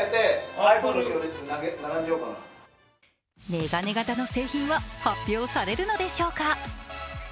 眼鏡型の製品は発表されるのでしょうか？